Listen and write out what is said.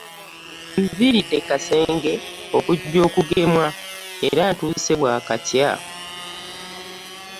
Nviiridde Kasenge okujja okugemwa era ntuuse bwakakya.